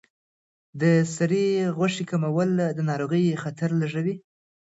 د سرې غوښې کمول د ناروغۍ خطر لږوي.